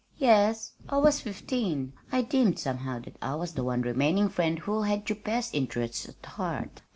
"Yes. I was fifteen. I deemed somehow that I was the one remaining friend who had your best interests at heart.